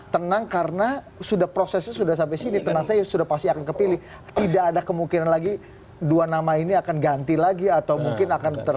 tenang karena prosesnya sudah sampai sini tenang saja sudah pasti akan kepilih tidak ada kemungkinan lagi dua nama ini akan ganti lagi atau mungkin akan ter